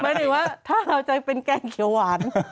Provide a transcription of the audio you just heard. หมายถึงว่าถ้าเราจะเป็นแกงเขียวหวาน